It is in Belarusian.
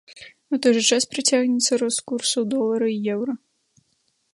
У той жа час працягнецца рост курсаў долара і еўра.